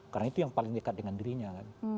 karena itu yang paling dekat dengan dirinya kan